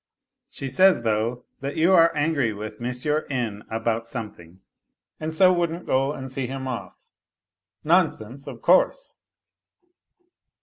She says, though, that you are angry with N. aboi something and so wouldn't go and see him off. Nonsense, < course